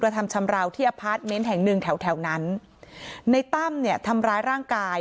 ทำชำราวที่อพาร์ทเมนต์แห่งหนึ่งแถวแถวนั้นในตั้มเนี่ยทำร้ายร่างกาย